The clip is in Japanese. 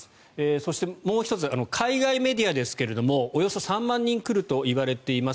そして、もう１つ海外メディアですけれどもおよそ３万人来るといわれています。